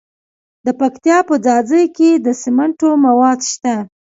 د پکتیا په ځاځي کې د سمنټو مواد شته.